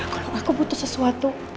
kalau aku butuh sesuatu